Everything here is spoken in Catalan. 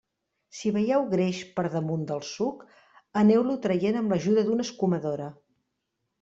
Si veieu greix per damunt del suc, aneu-lo traient amb l'ajuda d'una escumadora.